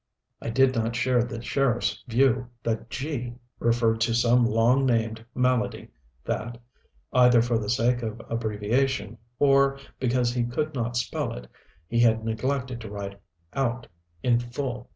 I did not share the sheriff's view that "G " referred to some long named malady that, either for the sake of abbreviation or because he could not spell it, he had neglected to write out in full.